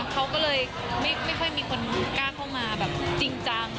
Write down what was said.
เขาก็เลยไม่ค่อยมีคนกล้าเข้ามาแบบจริงจัง